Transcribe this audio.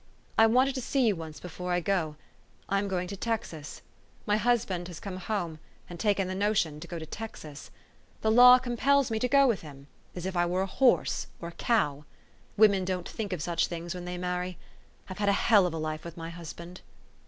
I wanted to see you once before I go. I am going to Texas. My husband has come home, and taken the notion to go to Texas. The law compels me to go with him, as if I were a horse or a cow. Women don't think of such things when they marry. I've had a hell of a life with my husband."